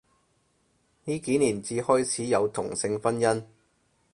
呢幾年至開始有同性婚姻